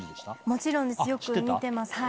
もちろんですよく見てます。